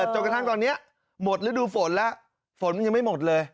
จนกระทั่งตอนนี้หมดฤดูฝนแล้วฝนมันยังไม่หมดเลย